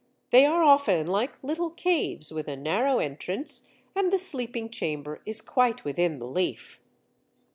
They are often like little caves with a narrow entrance, and the sleeping chamber is quite within the leaf.